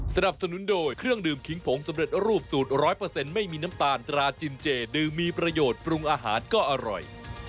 สนับสนุนโดยเครื่องดื่มขิงผงสำเร็จรูปสูตร๑๐๐ไม่มีน้ำตาลตราจินเจดื่มมีประโยชน์ปรุงอาหารก็อร่อย